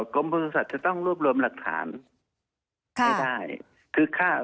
กรมประสุทธิ์จะต้องรวบรวมหลักฐานไม่ได้